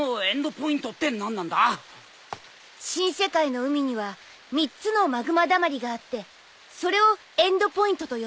新世界の海には３つのマグマだまりがあってそれをエンドポイントと呼ぶの。